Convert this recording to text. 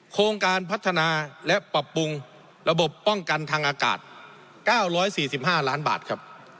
โครงการพัฒนาและปรับปรุงระบบป้องกันทางอากาศ๙๔๕ล้านบาทครับ